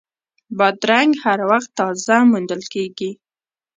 بادرنګ هر وخت تازه موندل کېږي.